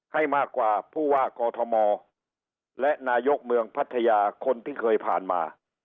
ให้มากกว่าผู้ว่ากอทมและนายกเมืองพัทยาคนที่เคยผ่านมา